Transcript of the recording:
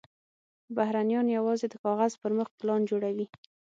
بهرنیان یوازې د کاغذ پر مخ پلان جوړوي.